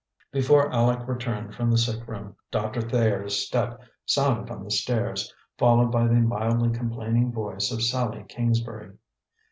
Before Aleck returned from the sick room, Doctor Thayer's step sounded on the stairs, followed by the mildly complaining voice of Sallie Kingsbury.